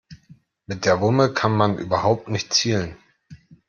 Mit der Wumme kann man überhaupt nicht zielen.